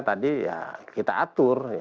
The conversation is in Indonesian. tadi ya kita atur